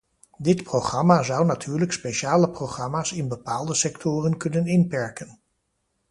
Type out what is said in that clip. Dit programma zou natuurlijk speciale programma's in bepaalde sectoren kunnen inperken.